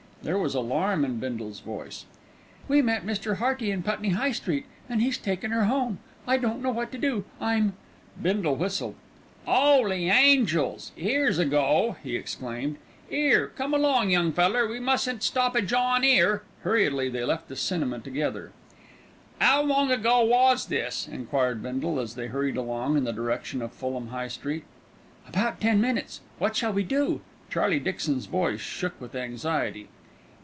There was alarm in Bindle's voice. "We met Mr. Hearty in Putney High Street and he's taken her home. I don't know what to do. I'm " Bindle whistled. "'Oly Angels, 'ere's a go," he exclaimed. "'Ere, come along, young feller, we mustn't stop a jawin' 'ere." Hurriedly they left the cinema together. "'Ow long ago was this?" enquired Bindle, as they hurried along in the direction of Fulham High Street. "About ten minutes. What shall we do?" Charlie Dixon's voice shook with anxiety.